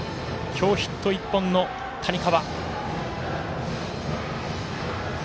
今日、ヒット１本の谷川。